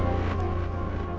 tak khawatir sama aku ya